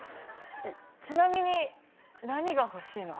ちなみに何が欲しいの？